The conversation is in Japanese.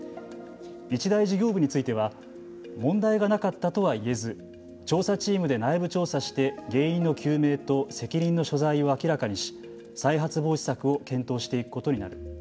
日大事業部については問題がなかったとは言えず調査チームで内部調査して原因の究明と責任の所在を明らかにし再発防止策を検討していくことになる。